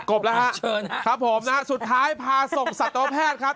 บแล้วฮะเชิญครับผมนะฮะสุดท้ายพาส่งสัตวแพทย์ครับ